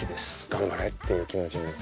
頑張れっていう気持ちになって。